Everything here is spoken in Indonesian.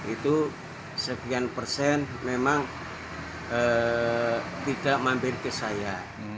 itu sekian persen memang tidak mampir ke saya